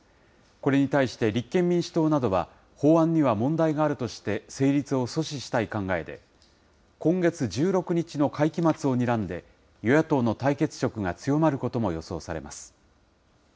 これに対して立憲民主党などは、法案には問題があるとして成立を阻止したい考えで、今月１６日の会期末をにらんで、与野党の対決色が強まることも予想されます。